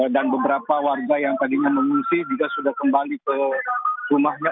dan beberapa warga yang tadinya mengungsi juga sudah kembali ke rumahnya